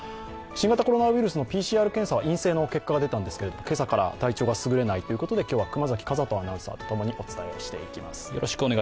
新型コロナウイルスのＰＣＲ検査は陰性の結果が出たんですが今朝から体調が優れないということで今日は熊崎風斗アナウンサーとお送りしていきます。